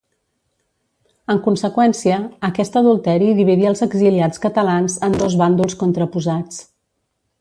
En conseqüència, aquest adulteri dividí els exiliats catalans en dos bàndols contraposats.